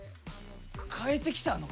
変えてきたのか。